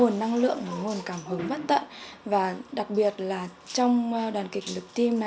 năm mới chúc bác mệt khỏe